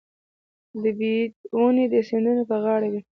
د بید ونې د سیندونو په غاړه وي.